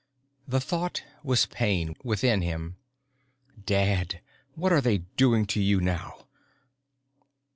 The thought was pain within him. _Dad, what are they doing to you now?